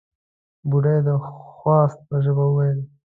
بوډۍ د خواست په ژبه وويل: